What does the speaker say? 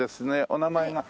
お名前が？